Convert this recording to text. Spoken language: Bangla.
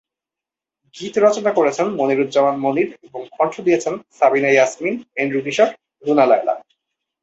গীত রচনা করেছেন মনিরুজ্জামান মনির এবং কণ্ঠ দিয়েছেন সাবিনা ইয়াসমিন, এন্ড্রু কিশোর, রুনা লায়লা।